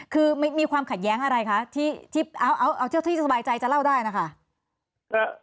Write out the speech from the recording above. คือมีความขัดแย้งอะไรคะที่เอาเจ้าที่สบายใจจะเล่าได้นะคะ